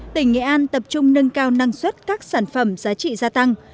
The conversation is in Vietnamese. tỉnh nghệ an tập trung nâng cao năng suất các sản phẩm giá trị gia tăng